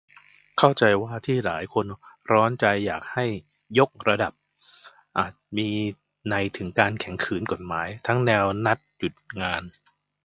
เข้าใจว่าที่หลายคนร้อนใจอยากให้ "ยกระดับ" โดยอาจมีนัยถึงการแข็งขืนกฎหมาย ทั้งแนวนัดหยุดงาน